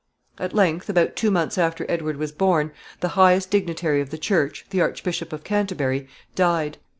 ] At length, about two months after Edward was born, the highest dignitary of the Church, the Archbishop of Canterbury, died.